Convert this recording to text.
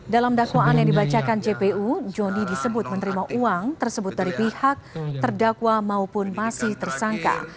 dalam dakwaan yang dibacakan jpu joni disebut menerima uang tersebut dari pihak terdakwa maupun masih tersangka